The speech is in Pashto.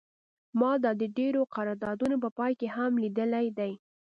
ما دا د ډیرو قراردادونو په پای کې هم لیدلی دی